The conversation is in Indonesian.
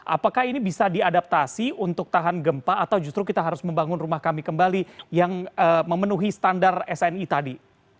apakah ini bisa diadaptasi untuk tahan gempa atau justru kita harus membangun rumah kami kembali yang memenuhi standar sni tadi